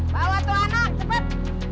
bawa tuh anak cepet